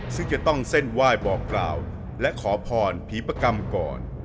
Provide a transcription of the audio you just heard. ซึ่งจะต้องเส้นไหว้บอกกล่าวและขอพรผีปกรรมก่อน